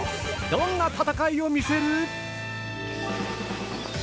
どんな戦いを見せる？